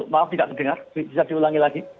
maaf tidak terdengar bisa diulangi lagi